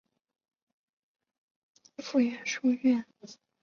汇知专业持续教育书院为汇知中学附设书院。